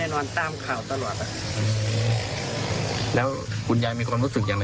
ชอบการทะกรณ์นั้น